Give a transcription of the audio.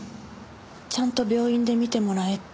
ちゃんと病院で診てもらえって。